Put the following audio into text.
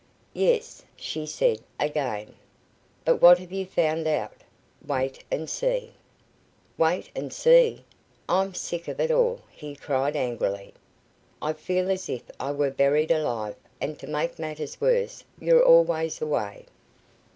"Yes," she said, "again." "But what have you found out?" "Wait and see." "Wait and see? I'm sick of it all," he cried, angrily. "I feel as if I were buried alive, and to make matters worse, you're always away.